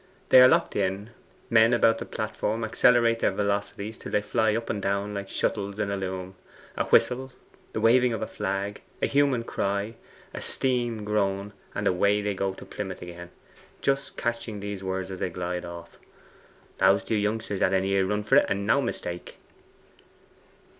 They are locked in men about the platform accelerate their velocities till they fly up and down like shuttles in a loom a whistle the waving of a flag a human cry a steam groan and away they go to Plymouth again, just catching these words as they glide off: 'Those two youngsters had a near run for it, and no mistake!